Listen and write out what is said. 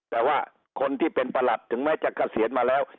แต่ว่าคนที่เป็นประหลัดถึงแม้จะเกษียณมาแล้ว